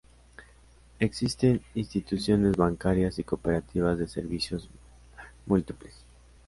Existen instituciones bancarias y cooperativas de servicios múltiples.